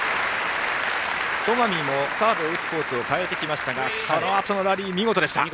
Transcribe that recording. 戸上もサーブを打つコースを変えてきましたがそのあとのラリー、見事でした。